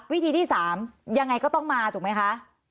วิธีที่๓ยังไงก็ต้องมาถูกไหมคะ